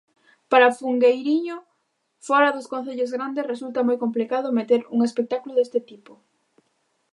Para Fungueiriño, fóra dos concellos grandes, resulta moi complicado meter un espectáculo deste tipo.